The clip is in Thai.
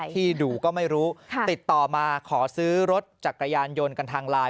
ที่ดูก็ไม่รู้ติดต่อมาขอซื้อรถจักรยานยนต์กันทางไลน์